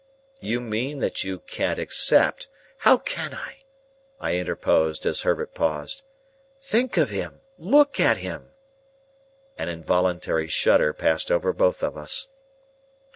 "You mean that you can't accept—" "How can I?" I interposed, as Herbert paused. "Think of him! Look at him!" An involuntary shudder passed over both of us.